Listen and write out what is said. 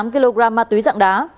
một mươi tám kg ma túy dạng đá